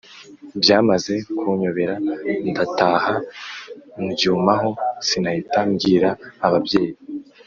Byamaze kunyobera, ndataha ndyumaho sinahita mbwira ababyeyi